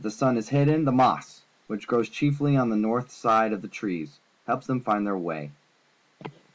If the sun is hidden, the moss, which grows chiefly on the north side of the trees, helps them to find their way.